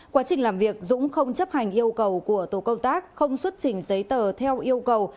quá trình làm việc dũng không chấp hành yêu cầu của tổ công tác không xuất trình giấy tờ theo yêu cầu